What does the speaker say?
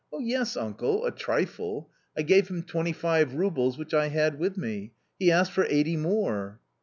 "Yes, uncle, a trifle. I gave him twenty five roubles which I had with me ; he asked for eighty more."